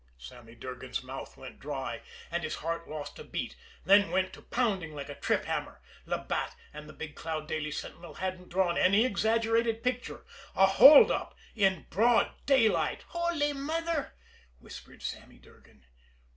Sammy Durgan's mouth went dry, and his heart lost a beat, then went to pounding like a trip hammer. Labatt and the Big Cloud Daily Sentinel hadn't drawn any exaggerated picture. A hold up in broad daylight! "Holy Mither!" whispered Sammy Durgan.